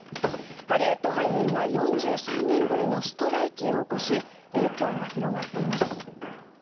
ハリウッド俳優が４３年ぶりのストライキを起こし影響が広がっています。